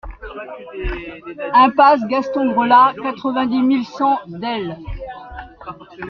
Impasse Gaston Grelat, quatre-vingt-dix mille cent Delle